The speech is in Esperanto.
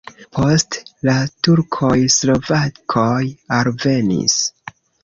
Post la turkoj slovakoj alvenis.